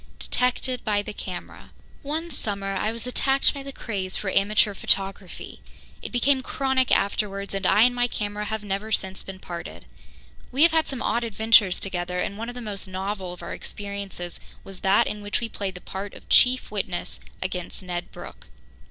Detected by the Camera One summer I was attacked by the craze for amateur photography. It became chronic afterwards, and I and my camera have never since been parted. We have had some odd adventures together, and one of the most novel of our experiences was that in which we played the part of chief witness against Ned Brooke.